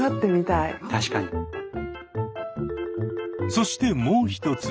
そしてもう一つ。